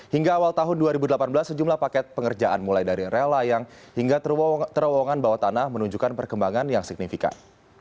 hingga awal tahun dua ribu delapan belas sejumlah paket pengerjaan mulai dari rel layang hingga terowongan bawah tanah menunjukkan perkembangan yang signifikan